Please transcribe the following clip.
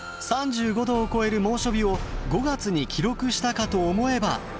３５度を超える猛暑日を５月に記録したかと思えば。